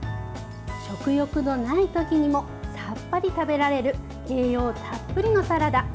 食欲のないときにもさっぱり食べられる栄養たっぷりのサラダ。